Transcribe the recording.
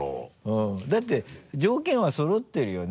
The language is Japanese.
うんだって条件はそろってるよね。